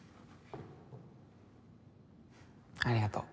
ありがとう。